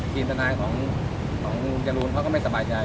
ทนายของลุงจรูนเขาก็ไม่สบายใจ